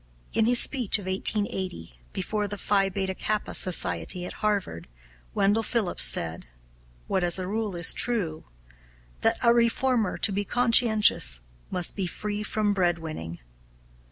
In his speech of 1880, before the Phi Beta Kappa Society at Harvard, Wendell Phillips said what as a rule is true that "a reformer, to be conscientious, must be free from bread winning."